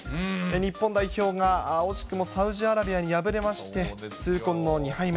日本代表が惜しくもサウジアラビアに敗れまして、痛恨の２敗目。